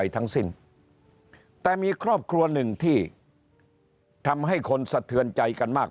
ทั้งสิ้นแต่มีครอบครัวหนึ่งที่ทำให้คนสะเทือนใจกันมาก